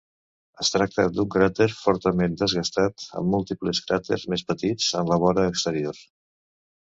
Es tracta d'un cràter fortament desgastat, amb múltiples cràters més petits en la vora exterior.